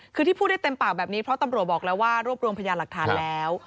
คือที่พูดได้เต็มปากแบบนี้เพราะตำรวจบอกแล้วว่ารวบรวมพยานหลักฐานแล้ว